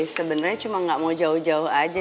sebenernya cuma gak mau jauh jauh aja